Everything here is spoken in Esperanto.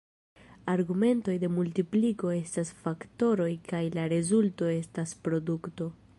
Argumentoj de multipliko estas faktoroj kaj la rezulto estas produto.